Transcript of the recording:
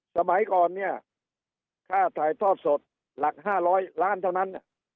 สมัยก่อนเนี่ยค่าถ่ายทอดสดหลัก๕๐๐ล้านเท่านั้น